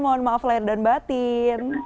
mohon maaf lahir dan batin